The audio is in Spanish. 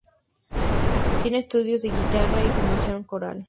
Tiene estudios de guitarra y formación coral.